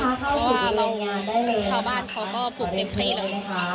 เพราะว่าชาวบ้านเขาก็ปลูกเต็มที่เลย